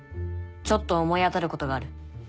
ちょっと思い当たることがある。